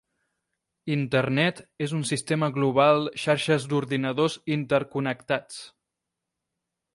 Internet és un sistema global xarxes d'ordinadors interconnectats.